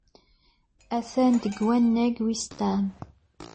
Atan deg wannag wis ṭam.